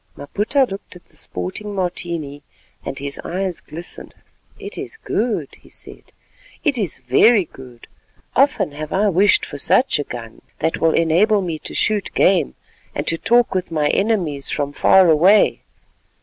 Maputa looked at the sporting Martini, and his eyes glistened. "It is good," he said; "it is very good. Often have I wished for such a gun that will enable me to shoot game, and to talk with my enemies from far away.